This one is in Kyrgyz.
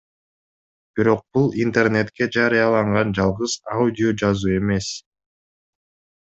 Бирок бул интернетке жарыяланган жалгыз аудиожазуу эмес.